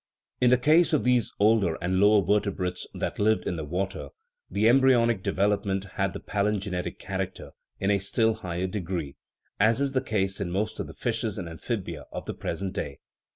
In the case of these older and lower vertebrates thai 144 THE EMBRYOLOGY OF THE SOUL lived in the water, the embryonic development had the palingenetic character in a still higher degree, as is the case in most of the fishes and amphibia of the pres ent day.